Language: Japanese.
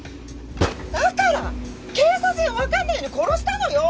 だから警察にもわからないように殺したのよ！